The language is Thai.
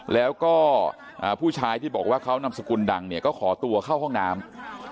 แล้วก็ผู้ชายที่บอกว่าเขานำสกุลดังเนี่ยก็ขอตัวเข้าห้องน้ำ